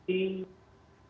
kemudian tempat peramian